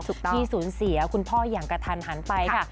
ที่สูญเสียคุณพ่ออย่างกระทันหันไปค่ะ